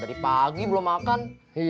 orang mijn juga mati